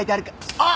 あっ！